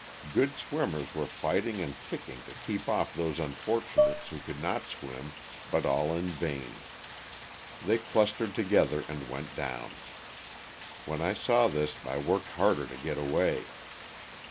Grood swimmers were fighting and kicking to keep off those unfortunates who could not swim, but all in vain. They clustered together and went down. When I saw this I worked harder to get away.